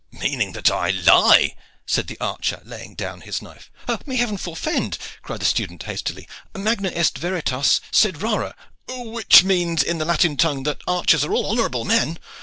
"Meaning that I lie," said the archer, laying down his knife. "May heaven forfend!" cried the student hastily. "Magna est veritas sed rara, which means in the Latin tongue that archers are all honorable men.